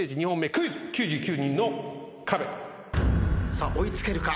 さあ追い付けるか？